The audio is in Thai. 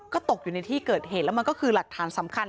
ก็ตกอยู่ในที่เกิดเหตุแล้วมันก็คือหลักฐานสำคัญ